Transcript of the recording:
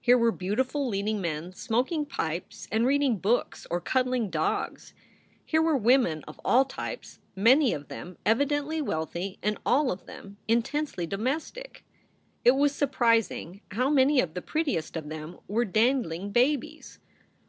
Here were beautiful leading men smoking pipes and reading books or cuddling dogs. Here were women of all types, many of them evidently wealthy and all of them intensely domestic. It was surprising how many of the prettiest of them were dandling babies.